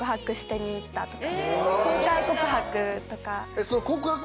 公開告白とか。